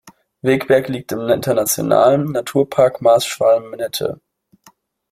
Wegberg liegt im internationalen Naturpark Maas-Schwalm-Nette.